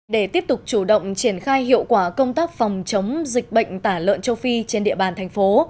để tiếp tục chủ động triển khai hiệu quả công tác phòng chống dịch bệnh tả lợn châu phi trên địa bàn thành phố